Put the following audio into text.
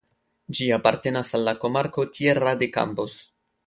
Ĝi apartenas al la komarko "Tierra de Campos".